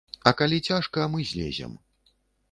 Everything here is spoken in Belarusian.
А калі цяжка, мы злезем.